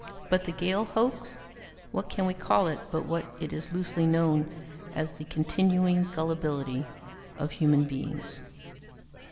But the Gale Hoax what can we call it but what is loosely known as the continuing gullibility of human beings?